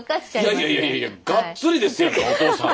いやいやいやいやいやガッツリですやんかお父さん。